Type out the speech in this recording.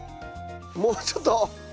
もうちょっと。